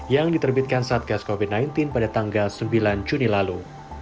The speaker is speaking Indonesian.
yang diterbitkan satgas covid sembilan belas pada tanggal sembilan juni lalu